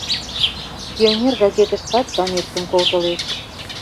— Пионер газетышкат заметкым колтылеш.